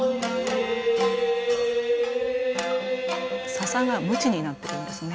笹がムチになっているんですね。